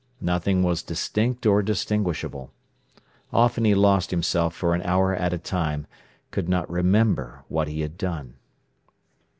Nothing was distinct or distinguishable. Often he lost himself for an hour at a time, could not remember what he had done.